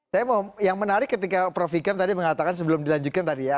saya mau yang menarik ketika prof ikam tadi mengatakan sebelum dilanjutkan tadi ya